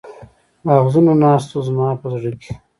اغزنو ناستو زما په زړه کې.